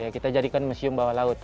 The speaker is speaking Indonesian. kita jadikan museum bawah laut